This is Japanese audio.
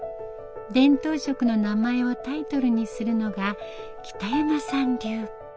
伝統色の名前をタイトルにするのが北山さん流。